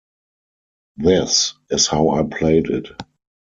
This is how I played it.